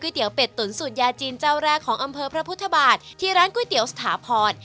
เตี๋ยเป็ดตุ๋นสูตรยาจีนเจ้าแรกของอำเภอพระพุทธบาทที่ร้านก๋วยเตี๋ยวสถาพร